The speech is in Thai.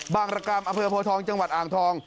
บางรกรรมอเผือโภทองจังหวัดอ่างทอง